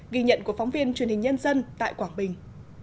ghi nhận của phóng viên truyền hình nhân dân tại quảng bình